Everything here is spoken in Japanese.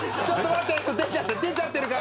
ちょっと待って待って！